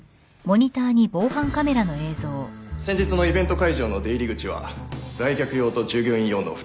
先日のイベント会場の出入り口は来客用と従業員用の２つ。